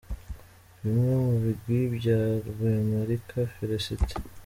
Bimwe mu bigwi bya Rwemarika Felicite.